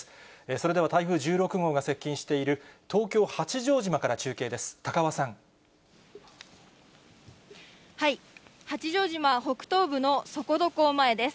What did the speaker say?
それでは台風１６号が接近している東京・八丈島から中継です。